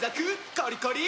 コリコリ！